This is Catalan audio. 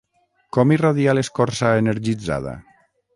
Com irradia l'escorça energitzada?